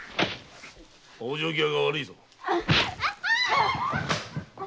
往生際が悪いぞ！